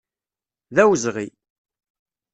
D awezɣi.